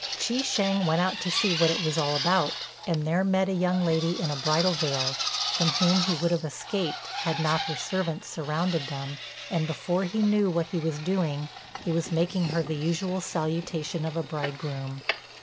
Chi shêng went out to see what it was all about, and there met a young lady in a bridal veil, from whom he would have escaped had not her servants surrounded them, and, before he knew what he was doing, he was making her the usual salutation of a bridegroom.